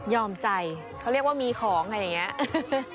ใจเขาเรียกว่ามีของอะไรอย่างนี้